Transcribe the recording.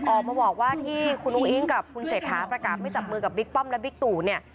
ออกมาบอกว่าที่คุณอุ้งอิ๊งกับคุณเศรษฐาประกาศไม่จับมือกับบิ๊กป้อมและบิ๊กตู่เนี่ย